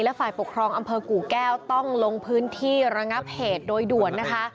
ฝ่ายปกครองอำเภอกู่แก้วต้องลงพื้นที่ระงับเหตุโดยด่วนนะคะ